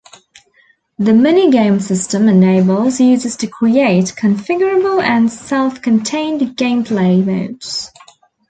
The minigame system enables users to create configurable and self-contained gameplay modes.